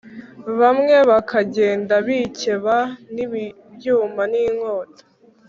bamwe bakagenda bikeba n’ibyuma n’inkota